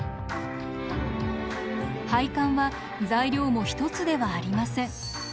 配管は材料も一つではありません。